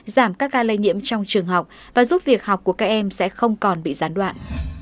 giảm các ca lây nhiễm trong trường học và giúp việc học của các em sẽ không còn bị gián đoạn